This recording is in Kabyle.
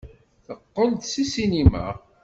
Teqqel-d seg ssinima.